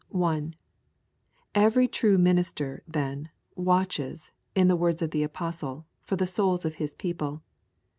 1. Every true minister, then, watches, in the words of the apostle, for the souls of his people.